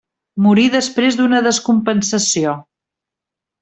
Morí després d'una descompensació.